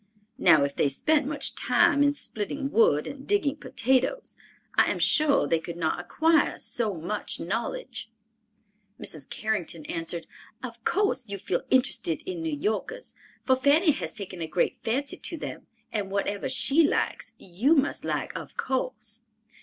Now if they spent much time in splitting wood and digging potatoes, I am sure they could not acquire so much knowledge." Mrs. Carrington answered, "Of course you feel interested in New Yorkers, for Fanny has taken a great fancy to them, and whatever she likes you must like, of course."